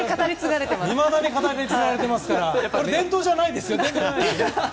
いまだに語り継がれていますが伝統じゃないですよ？